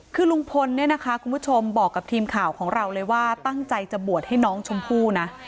คือลุงพลเนี่ยนะคะคุณผู้ชมบอกกับทีมข่าวของเราเลยว่าตั้งใจจะบวชให้น้องชมพู่นะ